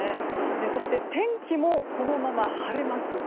そして、天気もこのまま晴れます。